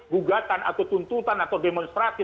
gugatan atau tuntutan atau demonstrasi